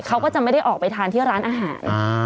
เขาก็จะไม่ได้ออกไปทานที่ร้านอาหาร